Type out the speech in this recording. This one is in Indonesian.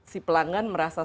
si pelanggan merasa